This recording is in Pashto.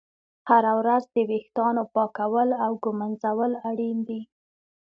هره ورځ د ویښتانو پاکول او ږمنځول اړین دي.